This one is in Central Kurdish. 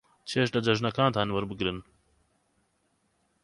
چێژ لە جەژنەکانتان وەربگرن.